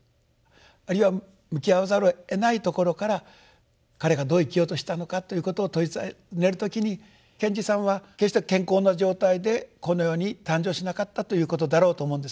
あるいは向き合わざるをえないところから彼がどう生きようとしたのかということをたずねる時に賢治さんは決して健康な状態でこの世に誕生しなかったということだろうと思うんですね。